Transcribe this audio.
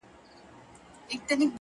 هره لاسته راوړنه د جرئت ثمره ده!.